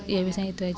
iya biasanya itu aja